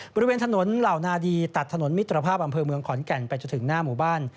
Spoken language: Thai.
บริเวณถนนเหล่านาดีตัดถนนมิตรภาพอำเภอเมืองขอนแก่นไปจนถึงหน้าหมู่บ้าน